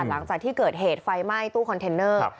หลังจากที่เกิดเหตุไฟไหม้ตู้คอนเทนเนอร์